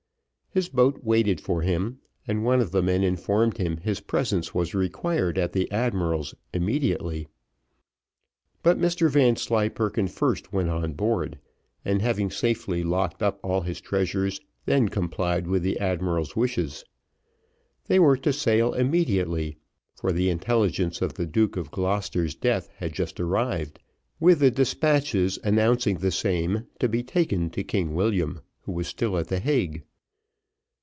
His boat waited for him, and one of the men informed him his presence was required at the admiral's immediately; but Mr Vanslyperken first went on board, and having safely locked up all his treasures, then complied with the admiral's wishes. They were to sail immediately, for the intelligence of the Duke of Gloucester's death had just arrived with the despatches, announcing the same to be taken to King William, who was still at the Hague.